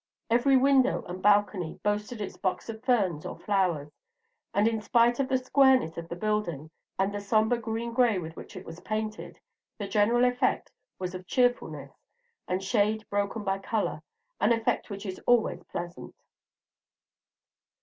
Every window and balcony boasted its box of ferns or flowers; and in spite of the squareness of the building, and the sombre green gray with which it was painted, the general effect was of cheerfulness, and shade broken by color, an effect which is always pleasant.